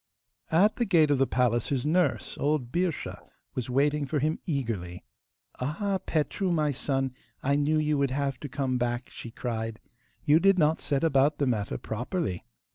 At the gate of the palace his nurse, old Birscha, was waiting for him eagerly. 'Ah, Petru, my son, I knew you would have to come back,' she cried. 'You did not set about the matter properly.